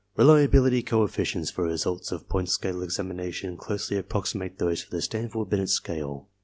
Reliability coefficients for results of point scale examination closely approximate those for the Stanford Binet scale.